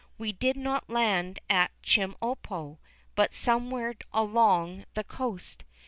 We did not land at Chemulpo, but somewhere along the coast.